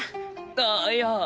あっいや。